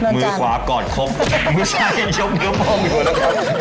มือขวากอดครบไม่ใช่ยกเนื้อป้องอยู่แล้วนะคะ